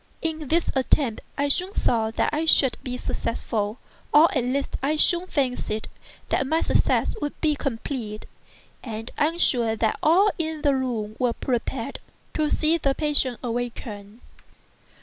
In this attempt I soon saw that I should be successful—or at least I soon fancied that my success would be complete—and I am sure that all in the room were prepared to see the patient awaken.